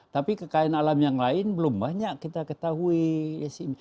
tapi kekayaan alam yang lain belum banyak kita ketahui